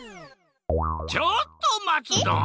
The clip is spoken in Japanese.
ちょっとまつドン！